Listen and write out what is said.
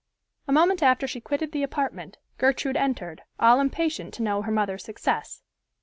A moment after she quitted the apartment, Gertrude entered, all impatient to know her mother's success.